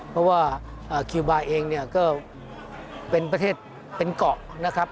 เพราะว่าคิวบาร์เองเนี่ยก็เป็นประเทศเป็นเกาะนะครับ